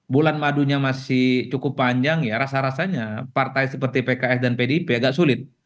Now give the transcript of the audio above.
bulan madunya masih cukup panjang ya rasa rasanya partai seperti pks dan pdip agak sulit